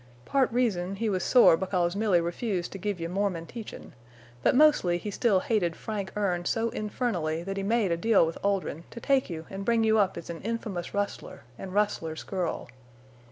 Part reason he was sore because Milly refused to give you Mormon teachin', but mostly he still hated Frank Erne so infernally that he made a deal with Oldrin' to take you an' bring you up as an infamous rustler an' rustler's girl.